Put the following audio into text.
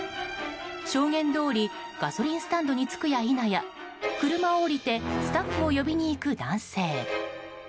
証言どおりガソリンスタンドに着くやいなや車を降りてスタッフを呼びに行く男性。